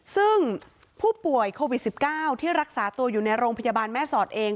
ซึ่งผู้ป่วยโควิด๑๙ที่รักษาตัวอยู่ในโรงพยาบาลแม่สอดเอง